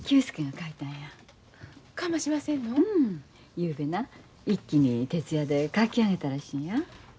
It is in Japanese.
ゆうべな一気に徹夜で書き上げたらしいんや。